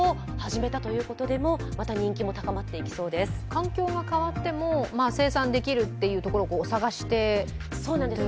環境が変わっても生産できるというところを探してということですか。